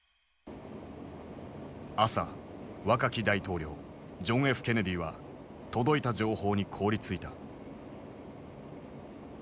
朝若き大統領ジョン・Ｆ・ケネディは届いた情報に凍りついた。